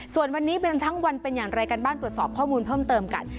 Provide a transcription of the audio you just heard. ส่วนวันนี้เป็นทั้งวันเป็นอย่างไรกันบ้างตรวจสอบข้อมูลเพิ่มเติมกัน